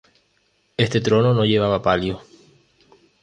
Este trono no llevaba palio.